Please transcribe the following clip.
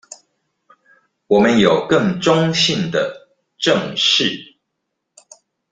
我們有更中性的「正視」